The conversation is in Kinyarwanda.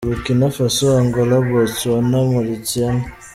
Burkina Faso, Angola, Botswana, Mauritania